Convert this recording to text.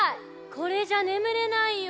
これじゃ眠れないよ。